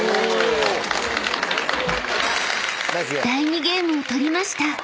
［第２ゲームを取りました］